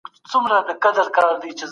لس جمع څلور؛ څوارلس کېږي.